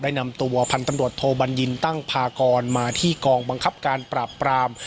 นำตัวพันธุ์ตำรวจโทบัญญินตั้งพากรมาที่กองบังคับการปราบปราม